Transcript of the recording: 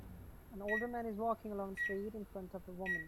An older man is walking along the street in front of a woman.